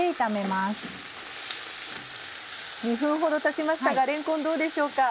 ２分ほどたちましたがれんこんどうでしょうか？